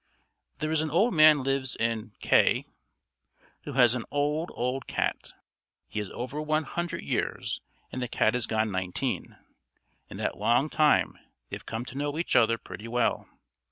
There is an old old man lives in K , who has an old old cat. He is over one hundred years, and the cat is gone nineteen; in that long time they have come to know each other pretty well.